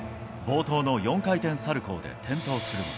冒頭の４回転サルコーで転倒するも。